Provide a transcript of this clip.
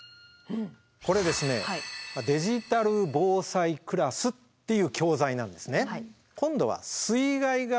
これですね「デジタル防災クラス」っていう教材なんですね。